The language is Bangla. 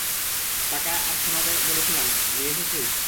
টাকা আর সোনা যা বলেছিলাম নিয়ে এসেছিস?